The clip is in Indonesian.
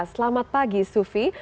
selamat pagi sufi